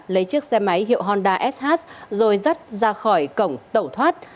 lấy chiếc xe máy hiệu honda sh rồi dắt ra khỏi cổng tẩu thoát